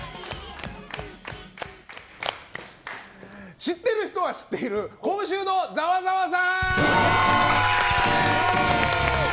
知っている人は知っている今週のざわざわさん！